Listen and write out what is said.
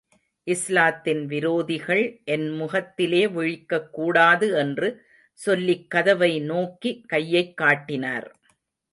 இஸ்லாத்தின் விரோதிகள் என் முகத்திலே விழிக்கக் கூடாது என்று சொல்லிக் கதவை நோக்கி கையைக்காட்டினார்.